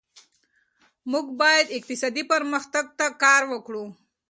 موږ باید اقتصادي پرمختګ ته کار وکړو.